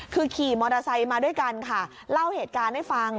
คือขี่มอเตอร์ไซค์มาด้วยกันค่ะเล่าเหตุการณ์ให้ฟัง